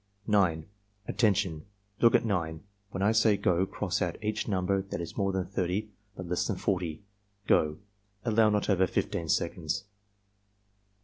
9. "Attention! Look at 9. When I say 'go' cross ovi each number that is more than 30 but less than 40. — Go!" (Allow not over 15 seconds.)